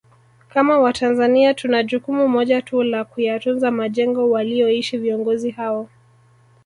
Kama Watanzania tuna jukumu moja tu la Kuyatunza majengo waliyoishi viongozi hao